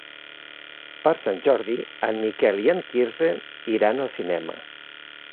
Per Sant Jordi en Miquel i en Quirze iran al cinema.